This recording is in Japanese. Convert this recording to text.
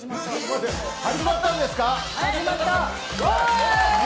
始まったんですか。